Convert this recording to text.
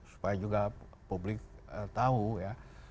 supaya juga publik tahu ya